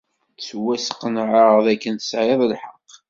Ttwasqenɛeɣ dakken tesɛid lḥeqq.